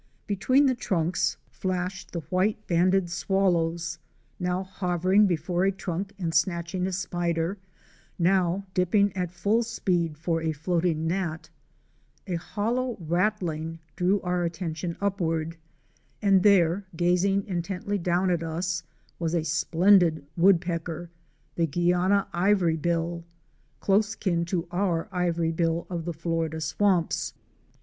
Between the trunks flashed 200 OUR SEARCH FOR A WILDERNESS. the White banded Swallows ' now hovering before a trunk and snatching a spider, now dipping at full speed for a floating gnat. A hollow rattling drew our attention upward, and there, gazing intently down at us, was a splendid Wood pecker — the Guiana Ivory bill," of the Florida swamps.